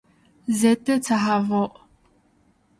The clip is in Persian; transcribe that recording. ضد تهوع